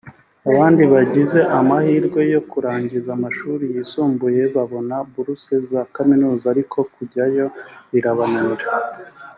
abandi bagize amahirwe yo kurangiza amashuri yisumbuye babona buruse za kaminuza ariko kujyayo birabananira